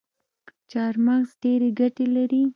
چارمغز ډیري ګټي لري